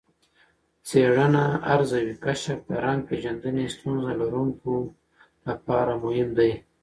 څېړنه ارزوي، کشف د رنګ پېژندنې ستونزه لرونکو لپاره مهم دی.